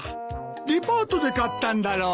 デパートで買ったんだろ？